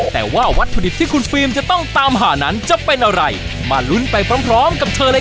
แต่ว่าวัตถุดิบที่คุณฟิล์มจะต้องตามหานั้นจะเป็นอะไรมาลุ้นไปพร้อมกับเธอเลยครับ